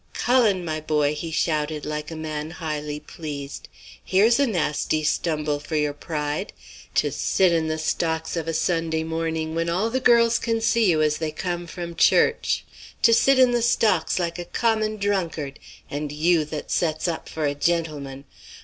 "'Cullen, my boy,' he shouted, like a man highly pleased, 'here's a nasty stumble for your pride. To sit in the stocks of a Sunday morning, when all the girls can see you as they come from church! To sit in the stocks like a common drunkard; and you that sets up for a gentleman!